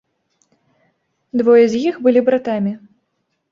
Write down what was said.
Двое з іх былі братамі.